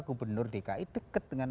gubernur dki dekat dengan